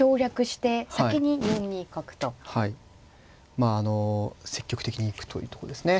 まああの積極的に行くというとこですね。